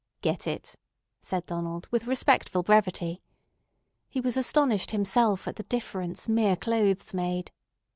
"Get it," said Donald with respectful brevity. He was astonished himself at the difference mere clothes made.